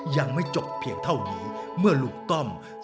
ยังไม่จบเพียงเท่านี้เมื่อลุงต้อม